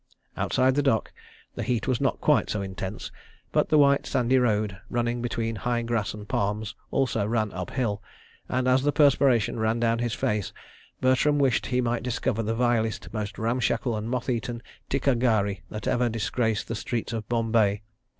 Outside the dock, the heat was not quite so intense, but the white sandy road, running between high grass and palms, also ran uphill, and, as the perspiration ran down his face, Bertram wished he might discover the vilest, most ramshackle and moth eaten tikka ghari that ever disgraced the streets of Bombay.